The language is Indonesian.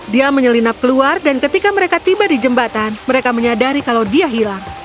dia menyelinap keluar dan ketika mereka tiba di jembatan mereka menyadari kalau dia hilang